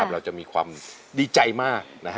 เราจะมีความดีใจมาก